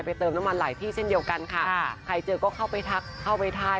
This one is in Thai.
เติมน้ำมันหลายที่เช่นเดียวกันค่ะใครเจอก็เข้าไปทักเข้าไปทาย